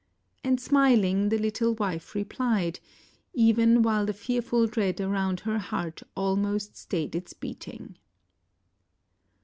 And smiling the little wife replied, even while the fearful dread around her heart almost stayed its beating.